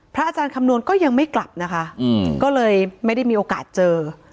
อาจารย์คำนวณก็ยังไม่กลับนะคะก็เลยไม่ได้มีโอกาสเจอ